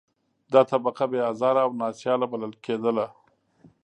دا طبقه بې آزاره او نا سیاله بلل کېدله.